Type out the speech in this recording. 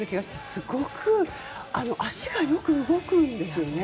すごく足がよく動くんですよね。